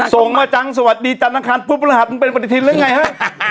ส่งมาจังสวัสดีจันทังคารปุ๊บรหัสมึงเป็นปฏิทินหรือไงฮะ